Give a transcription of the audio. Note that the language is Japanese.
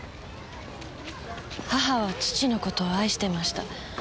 母は父の事を愛していました。